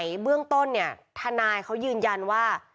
เบื้องต้นเนี่ยทนายเขายืนยันว่า